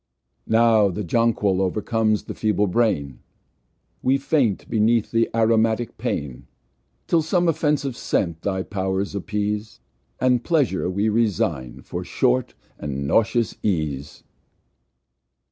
Now the Jonquille o'ercomes the feeble Brain; We faint beneath the Aromatick Pain, Till some offensive Scent thy Pow'rs appease, And Pleasure we resign for short, and nauseous Ease.